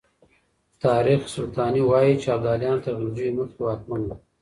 تاريخ سلطاني وايي چې ابداليان تر غلجيو مخکې واکمن وو.